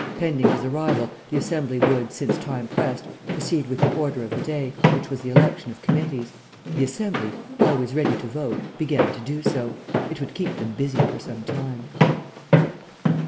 Pending his arrival, the Assembly would, since time pressed, proceed with the order of the day, which was the election of committees.... The Assembly, always ready to vote, began to do so. It would keep them busy for some time.